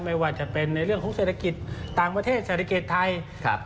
ไม่ว่าจะเป็นในเรื่องของเศรษฐกิจต่างประเทศเศรษฐกิจไทยครับ